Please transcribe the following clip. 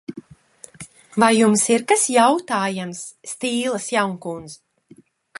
Vai jums ir kas jautājams, Stīlas jaunkundz?